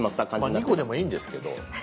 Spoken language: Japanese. まあ２個でもいいんですけど。